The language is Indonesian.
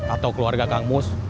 atau keluarga kang mus